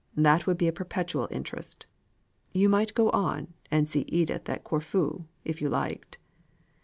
That would be a perpetual interest. You might go on, and see Edith at Corfu, if you liked."